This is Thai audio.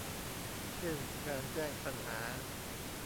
เช่นการแจ้งปัญหา